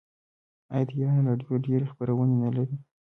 آیا د ایران راډیو ډیرې خپرونې نلري؟